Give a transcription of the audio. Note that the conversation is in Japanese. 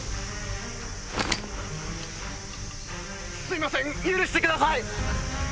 すいません許してください！